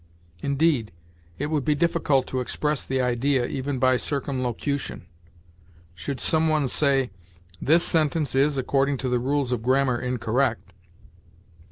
Indeed, it would be difficult to express the idea even by circumlocution. Should some one say, 'This sentence is, according to the rules of grammar, incorrect.'